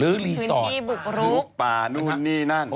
ลื้อรีสอร์ตทือนข่าวลุกป่านู่นนี่นั่น